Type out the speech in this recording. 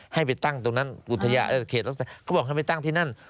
ให้ไปตั้งตรงนั้นอุทยานเขตรักษาเขาบอกให้ไปตั้งที่นั่น